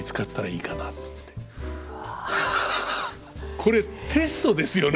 これテストですよね。